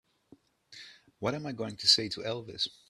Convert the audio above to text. What am I going to say to Elvis?